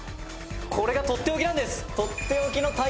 「これがとっておきなんです！」